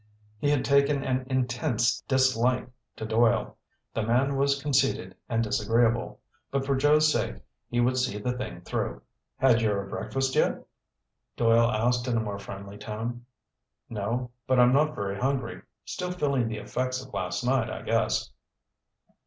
He had taken an intense dislike to Doyle. The man was conceited and disagreeable. But for Joe's sake he would see the thing through. "Had your breakfast yet?" Doyle asked in a more friendly tone. "No, but I'm not very hungry. Still feeling the effects of last night, I guess."